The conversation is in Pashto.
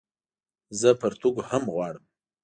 زه پرتوګ هم غواړم